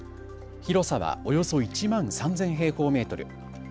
広さはおよそ１万３０００平方メートル。